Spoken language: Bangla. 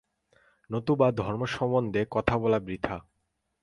নতুবা ধর্মসম্বন্ধে কথা বলা বৃথা।